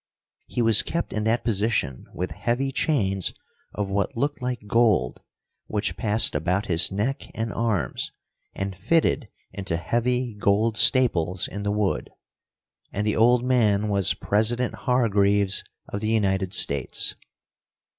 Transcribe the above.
He was kept in that position with heavy chains of what looked like gold, which passed about his neck and arms, and fitted into heavy gold staples in the wood. And the old man was President Hargreaves of the United States!